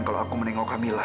kalau aku menengok kamila